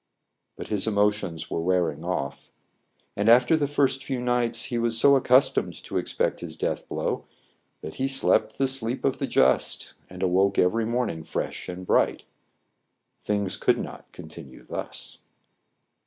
But his emotions were wearing off ; and, after the first few nights, he was so accustomed to ex pect his death blow, that he slept the sleep of the just, and awoke every morning fresh and bright. Things could not continue thus.